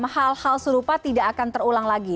hal hal serupa tidak akan terulang lagi